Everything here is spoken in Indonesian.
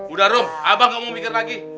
udah rom abang gak mau mikir lagi